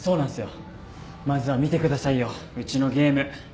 まずは見てくださいようちのゲーム。